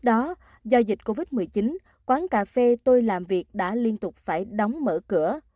do dịch covid một mươi chín quán cà phê tôi làm việc đã liên tục phải đóng mở cửa